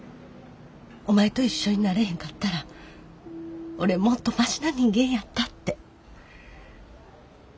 お前と一緒になれへんかったら俺もっとマシな人間やったって。